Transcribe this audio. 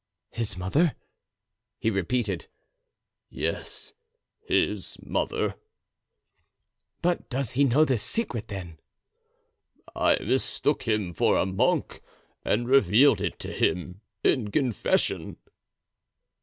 "His mother!" he repeated. "Yes, his mother." "But does he know this secret, then?" "I mistook him for a monk and revealed it to him in confession."